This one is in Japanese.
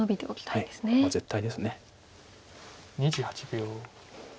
２８秒。